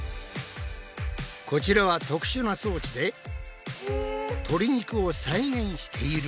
こちらは特殊な装置でとり肉を再現している様子。